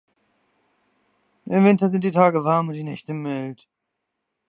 Im Winter sind die Tage warm und die Nächte mild.